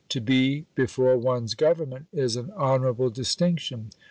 To be before one's Government is an honourable distinction.